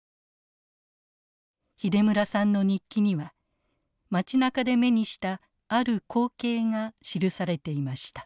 秀村さんの日記には町なかで目にしたある光景が記されていました。